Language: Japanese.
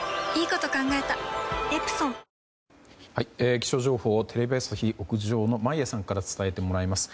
気象情報テレビ朝日屋上の眞家さんから伝えてもらいます。